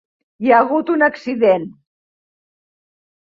Hi ha hagut un accident.